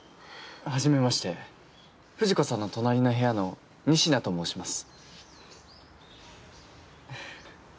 はじめまして藤子さんの隣の部屋の仁科と申します。